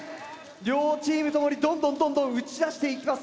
両チームともにどんどんどんどん打ち出していきます。